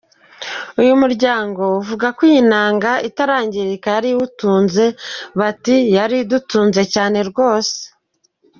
Uyu muryango uvuga ko iyi nanga itarangirika yari iwutunze bati “Yari idutunze cyane rwose!”.